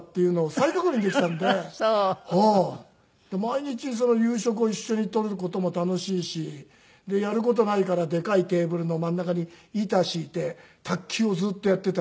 毎日夕食を一緒に取る事も楽しいしやる事ないからでかいテーブルの真ん中に板敷いて卓球をずっとやっていたりとか。